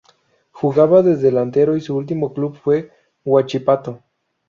Jugaba de delantero y su último club fue Huachipato.